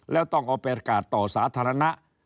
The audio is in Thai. แล้วต้องเอาไปประกาศต่อสาธารณะ